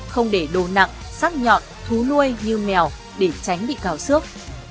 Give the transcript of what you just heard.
không để đồ nặng sắc nhọn thú nuôi như mèo để tránh bị cào xước